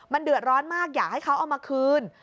มันเดือดร้อนมากอยากให้เขาเอามาคืน